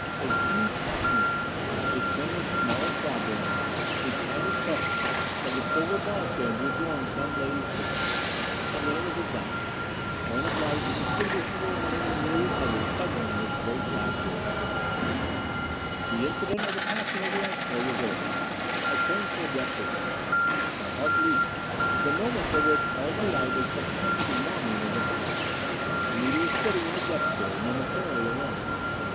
A huge half moon. A thinner, smaller quadrant. A tiny crescent, like a silver bar pin to adorn some lady's breast. And then it was a dot, a point of light indistinguishable among the myriad others hovering in this great black void. The incident of the passing of the asteroid was over. I turned from the deck window. My heart leaped. The moment for which all day I had been subconsciously longing was at hand. Anita was sitting in a deck chair, momentarily alone.